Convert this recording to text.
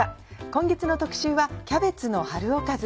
今月の特集は「キャベツの春おかず」。